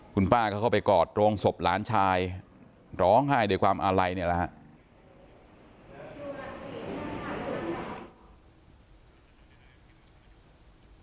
คุณป้าก็เข้าไปกอดโรงศพหลานชายร้องไห้ด้วยความอาลัยเนี่ยแหละครับ